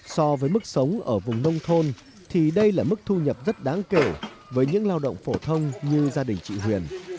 so với mức sống ở vùng nông thôn thì đây là mức thu nhập rất đáng kể với những lao động phổ thông như gia đình chị huyền